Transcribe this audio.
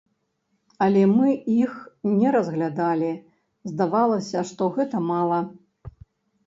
Але мы іх не разглядалі, здавалася, што гэта мала.